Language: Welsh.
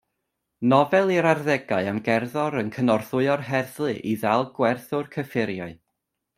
Nofel i'r arddegau am gerddor yn cynorthwyo'r heddlu i ddal gwerthwr cyffuriau.